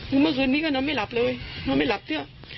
เมื่อคืนนี้ก็ไม่หลับเลยเขาไม่หลับเต้อ